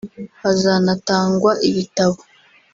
Hazanatangwa ibitabo